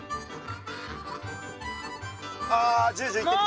ああジュジュ言ってる。